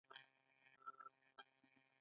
د احمد خو هم ډېر خلي سپين شوي دي.